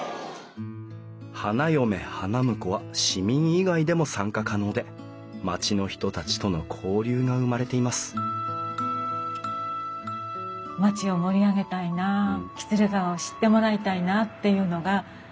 花嫁花婿は市民以外でも参加可能で町の人たちとの交流が生まれています町を盛り上げたいな喜連川を知ってもらいたいなっていうのがみんなの思い。